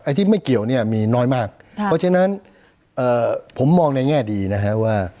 ที่ไม่เกี่ยวเนี่ยมีน้อยมากเพราะฉะนั้นผมมองในแง่ดีนะฮะว่า